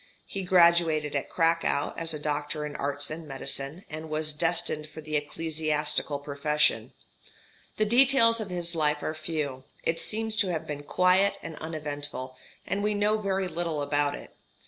He graduated at Cracow as doctor in arts and medicine, and was destined for the ecclesiastical profession. The details of his life are few; it seems to have been quiet and uneventful, and we know very little about it.